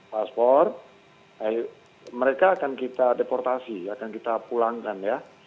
paspor mereka akan kita deportasi akan kita pulangkan ya